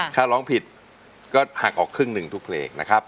ถ้าร้องผิดก็หักออกครึ่งหนึ่งทุกเพลงนะครับ